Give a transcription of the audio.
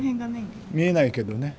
見えないけどね。